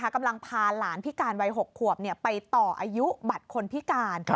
กำลังพาหลานพิการวัย๖ขวบไปต่ออายุบัตรคนพิการ